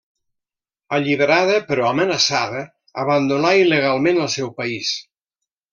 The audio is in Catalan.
Alliberada, però amenaçada, abandonà il·legalment el seu país.